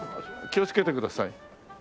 気をつけてください。